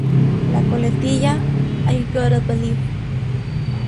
La coletilla "I gotta believe!